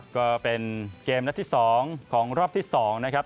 ก็เป็นเกมนัดที่๒ของรอบที่๒นะครับ